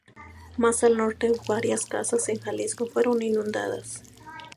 Más al norte, varias casas en Jalisco fueron inundadas.